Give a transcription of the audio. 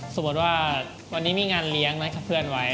สมมุติว่าวันนี้มีงานเลี้ยงนัดกับเพื่อนไว้